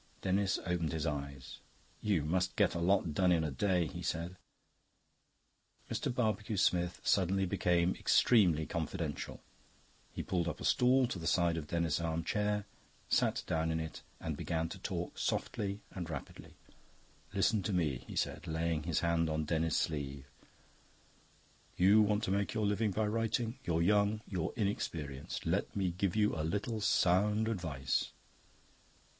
Denis opened his eyes. "You must get a lot done in a day," he said. Mr. Barbecue Smith suddenly became extremely confidential. He pulled up a stool to the side of Denis's arm chair, sat down in it, and began to talk softly and rapidly. "Listen to me," he said, laying his hand on Denis's sleeve. "You want to make your living by writing; you're young, you're inexperienced. Let me give you a little sound advice."